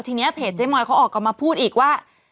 ทีนี้เพจเจ๊มอยเขาออกมาพูดอีกว่า